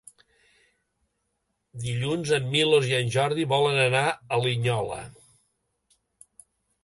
Dilluns en Milos i en Jordi volen anar a Linyola.